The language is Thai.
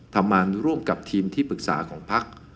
ทำงานร่วมกับทีมที่ปรึกษาของพัก